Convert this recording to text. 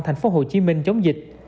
thành phố hồ chí minh chống dịch